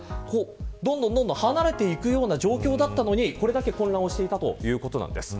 どんどん離れていくような状況だったのにこれだけ混乱をしていたということなんです。